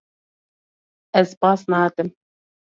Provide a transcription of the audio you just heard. Ez baz nadim.